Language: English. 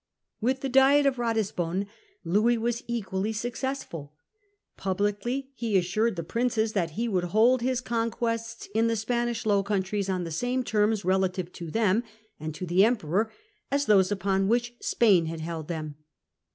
With the Diet of Ratisbon Louis was equally suc cessful. Publicly he assured the Princes that he ^ould MM, L 146 Treaty of Eventual Partition. 1667. hold his conquests in the Spanish Low Countries on the same terms relatively to them and to the Emperor as The Diet of upon which Spain had held them.